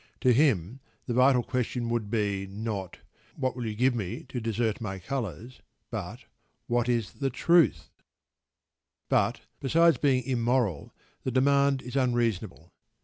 To him the vital question would be, not "What will you give me to desert my colours?" but "What is the truth?" But, besides being immoral, the demand is unreasonable.